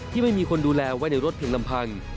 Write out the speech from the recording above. ที่ไม่มีคนดูแลไว้ในรถเพียงลำพัง